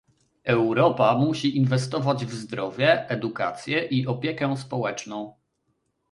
Europa musi inwestować w zdrowie, edukację i opiekę społeczną